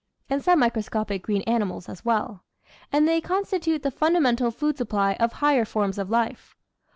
(and some microscopic green animals as well) ; and they constitute the fundamental food supply of higher forms of life.